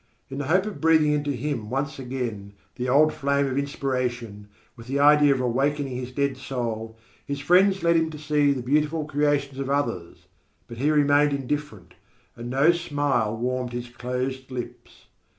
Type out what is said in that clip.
In the hope of breathing into him once again the old flame of inspiration, with the idea of awakening his dead soul, his friends led him to see the beautiful creations of others, but he remained indifferent and no smile warmed his closed lips.